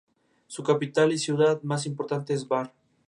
Su capital y ciudad más importante es Bar.